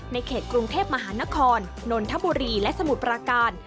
ในเขตกรุงเทพมหานครนนทบุรีและสมุทรปราการ